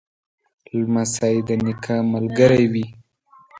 لمسی د نیکه ملګری وي.